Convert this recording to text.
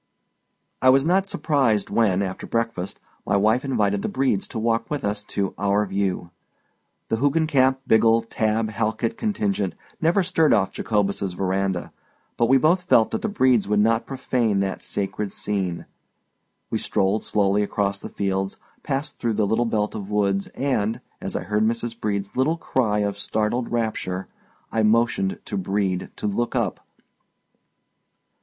I was not surprised when, after breakfast, my wife invited the Bredes to walk with us to "our view." The Hoogencamp Biggle Tabb Halkit contingent never stirred off Jacobus's veranda; but we both felt that the Bredes would not profane that sacred scene. We strolled slowly across the fields, passed through the little belt of woods and, as I heard Mrs. Brede's little cry of startled rapture, I motioned to Brede to look up.